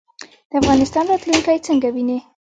د افغانستان راتلونکی څنګه وینئ؟